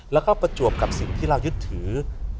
แล้วก็ประจวบกับสิ่งที่เรายึดถือ